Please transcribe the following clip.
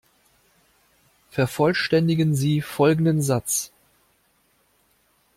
Vervollständigen Sie folgenden Satz.